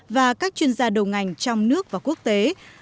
và các chuyên gia đầu ngành trong nước và quốc tế